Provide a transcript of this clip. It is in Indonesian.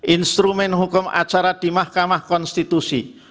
instrumen hukum acara di mahkamah konstitusi